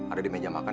ada di meja makan